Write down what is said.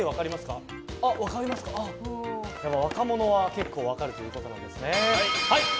やはり若者は結構分かるということですね。